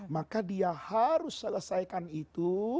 maka dia harus selesaikan itu